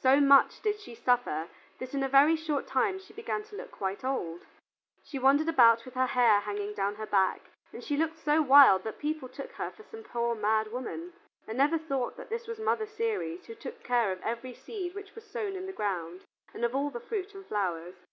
So much did she suffer that in a very short time she began to look quite old. She wandered about with her hair hanging down her back, and she looked so wild that people took her for some poor mad woman, and never thought that this was Mother Ceres who took care of every seed which was sown in the ground and of all the fruit and flowers.